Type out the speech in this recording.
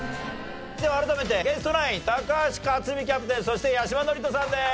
では改めてゲストナイン高橋克実キャプテンそして八嶋智人さんです。